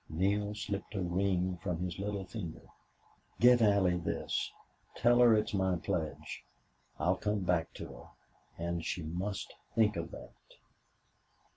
Neale slipped a ring from his little finger. "Give Allie this. Tell her it's my pledge. I'll come back to her. And she must think of that."